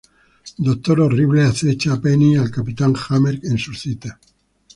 Dr. Horrible acecha a Penny y al Capitán Hammer en sus citas.